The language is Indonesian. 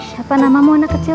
siapa namamu anak kecil